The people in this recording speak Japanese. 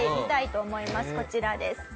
こちらです。